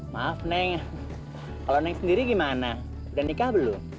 maaf neng kalau naik sendiri gimana udah nikah belum